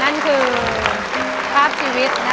นั่นคือภาพชีวิตของพี่โอ